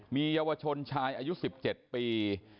มีเยาวชนชายอายุ๑๗ปี